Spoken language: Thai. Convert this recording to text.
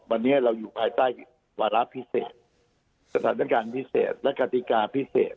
วันนี้เราอยู่ภายใต้วาระพิเศษสถานการณ์พิเศษและกติกาพิเศษ